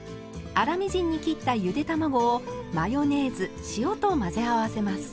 粗みじんに切ったゆで卵をマヨネーズ塩と混ぜ合わせます。